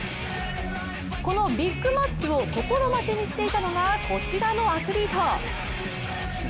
このビッグマッチを心待ちにしていたのがこちらのアスリート。